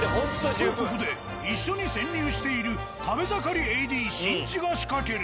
とここで一緒に潜入している食べ盛りＡＤ新地が仕掛ける。